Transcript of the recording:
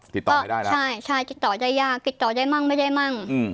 ติดต่อไม่ได้แล้วใช่ใช่ติดต่อได้ยากติดต่อได้มั่งไม่ได้มั่ง